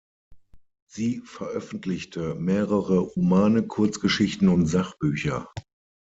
Sie veröffentlichte mehrere Romane, Kurzgeschichten und Sachbücher.